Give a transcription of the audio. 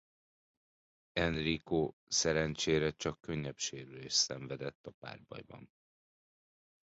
Enrico szerencsére csak könnyebb sérülést szenvedett a párbajban.